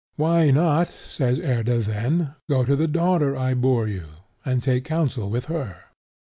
Why not, says Erda then, go to the daughter I bore you, and take counsel with her?